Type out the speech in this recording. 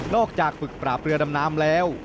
อกจากฝึกปราบเรือดำน้ำแล้ว